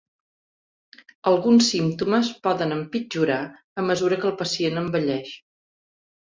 Alguns símptomes poden empitjorar a mesura que el pacient envelleix.